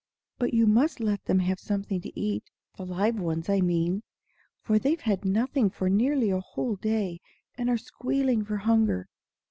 But you must let them have something to eat the live ones, I mean; for they've had nothing for nearly a whole day, and are squealing for hunger."